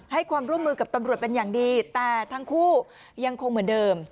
ให้ความร่วมมือกับตำรวจเป็นอย่างดีแต่ทั้งคู่ยังคงเหมือนเดิม